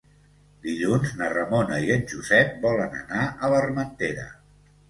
Dilluns na Ramona i en Josep volen anar a l'Armentera.